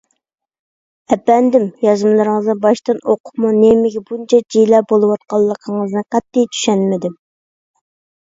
ئەپەندىم، يازمىلىرىڭىزنى باشتىن ئوقۇپمۇ نېمىگە بۇنچە جىلە بولۇۋاتقانلىقىڭىزنى قەتئىي چۈشەنمىدىم.